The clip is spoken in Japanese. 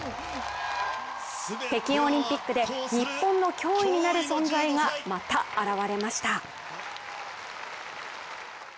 北京オリンピックで日本の脅威になる存在がまた現れました。